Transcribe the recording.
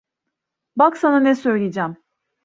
Bak sana ne söyleyeceğim.